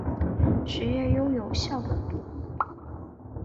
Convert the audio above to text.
学院拥有校本部。